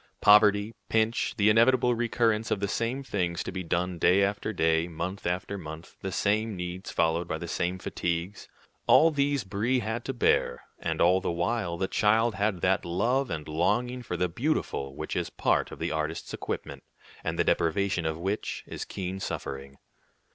Poverty, pinch, the inevitable recurrence of the same things to be done day after day, month after month, the same needs followed by the same fatigues, all these Brie had to bear; and all the while the child had that love and longing for the beautiful which is part of the artist's equipment, and the deprivation of which is keen suffering.